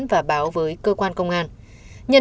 và báo với cơ quan công an